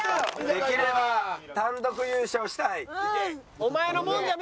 できれば単独優勝したい。